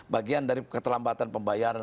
bagian dari keterlambatan pembayaran